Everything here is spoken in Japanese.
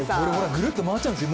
ぐるっと回っちゃうんですよ